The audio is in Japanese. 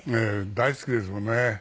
大好きですもんね。